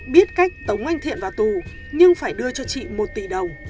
biết cách tống anh thiện vào tù nhưng phải đưa cho chị một tỷ đồng